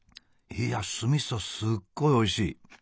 いやあ酢みそすっごいおいしい。